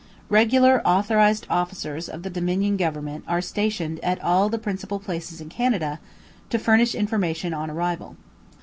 Regular authorised officers of the Dominion Government are stationed at all the principal places in Canada, to furnish information on arrival.